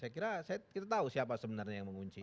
saya kira kita tahu siapa sebenarnya yang mengunci